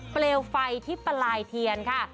เปลวไฟที่ปลายเทียนค่ะ